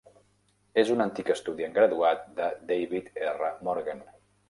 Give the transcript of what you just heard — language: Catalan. És un antic estudiant graduat de David R. Morgan.